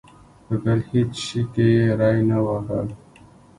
په بل هېڅ شي کې یې ری نه واهه.